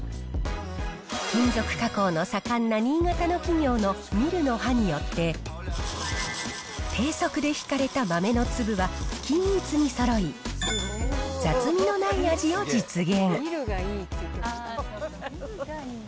金属加工の盛んな新潟の企業のミルの刃によって低速でひかれた豆の粒は均一にそろい、雑味のない味を実現。